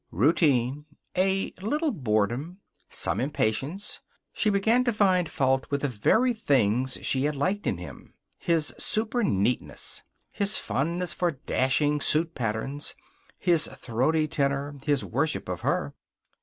Routine. A little boredom. Some impatience. She began to find fault with the very things she had liked in him: his superneatness; his fondness for dashing suit patterns; his throaty tenor; his worship of her.